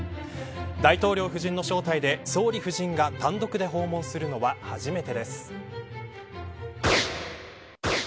大統領夫人の招待で総理夫人が単独で訪問するの初めてです。